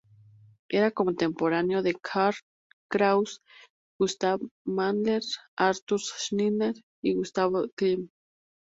Era contemporáneo de Karl Kraus, Gustav Mahler, Arthur Schnitzler y Gustav Klimt.